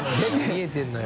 見えてるのよ。